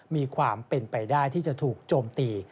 มีความเป็นไปได้ที่จะถูกโจมตี